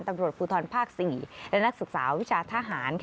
ตำรวจภูทรภาค๔และนักศึกษาวิชาทหาร